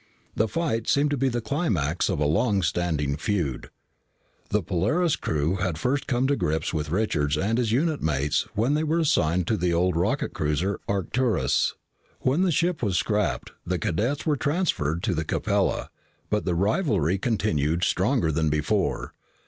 The fight seemed to be the climax of a long standing feud. The Polaris crew had first come to grips with Richards and his unit mates when they were assigned to the old rocket cruiser Arcturus. When the ship was scrapped, the cadets were transferred to the Capella, but the rivalry continued stronger than before.